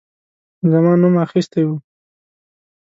زما نوم اخیستی وو.